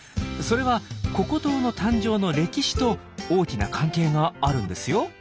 それはココ島の誕生の歴史と大きな関係があるんですよ。